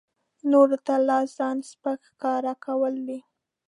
نورو ته لا ځان سپک ښکاره کول دي.